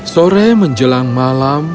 sore menjelang malam